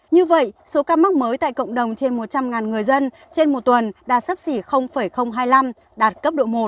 như vậy số ca mắc mới tại cộng đồng trên một trăm linh người dân trên một tuần đã sấp xỉ hai mươi năm đạt cấp độ một